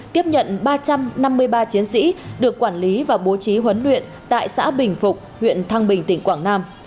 tiếp nhận ba trăm năm mươi ba chiến sĩ được quản lý và bố trí huấn luyện tại xã bình phục huyện thăng bình tỉnh quảng nam